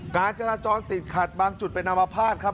การจราจรติดขัดบางจุดเป็นอมภาษณ์ครับ